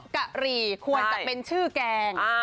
ควรจะเป็นชื่อแกง